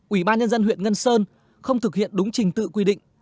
ủy ban nhân dân huyện ngân sơn không thực hiện đúng trình tự quy định